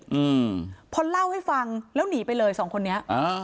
อืมพอเล่าให้ฟังแล้วหนีไปเลยสองคนนี้อ่า